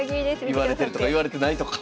言われてるとか言われてないとか。